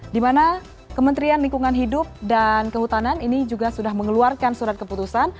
di mana kementerian lingkungan hidup dan kehutanan ini juga sudah mengeluarkan surat keputusan